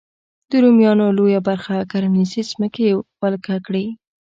د رومیانو لویه برخه کرنیزې ځمکې ولکه کړې.